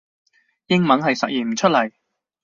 英文係實現唔出嚟